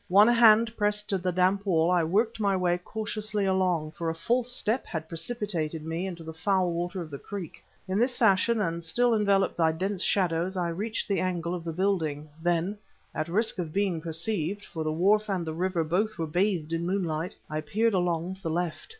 One hand pressed to the damp wall, I worked my way cautiously along, for a false step had precipitated me into the foul water of the creek. In this fashion and still enveloped by dense shadows, I reached the angle of the building. Then at risk of being perceived, for the wharf and the river both were bathed in moonlight I peered along to the left....